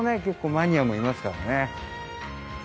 結構マニアもいますからね。